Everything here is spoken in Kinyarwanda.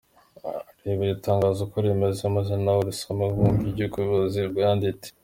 Reba iri tangazo uko rimeze, maze nawe urisome wumve ibyo uyu muyobozi yandite:.